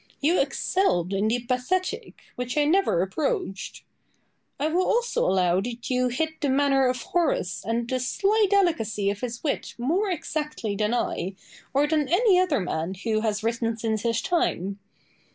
You excelled in the pathetic, which I never approached. I will also allow that you hit the manner of Horace and the sly delicacy of his wit more exactly than I, or than any other man who has written since his time.